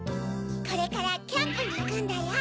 これからキャンプにいくんだよ。